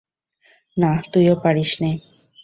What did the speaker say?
না, তুইও পারিস নে।